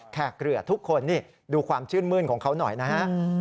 เกลือทุกคนนี่ดูความชื่นมื้นของเขาหน่อยนะฮะ